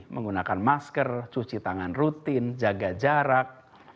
menggunakan masker cuci tangan rutin jaga jarak